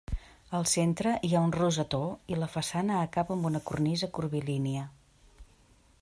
Al centre hi ha un rosetó i la façana acaba amb una cornisa curvilínia.